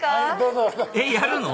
えっやるの？